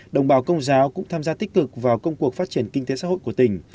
đồng bào công giáo cũng tham gia tích cực vào công cuộc phát triển kinh tế xã hội của tỉnh